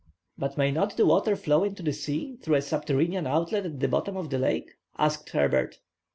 "But may not the water flow into the sea, through a subterranean outlet at the bottom of the lake?" asked Herbert.